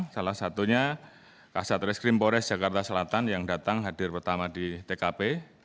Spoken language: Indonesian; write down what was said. salah satunya kasatreskrimpores jakarta selatan yang datang hadir pertama di tkp seribu tujuh ratus tiga puluh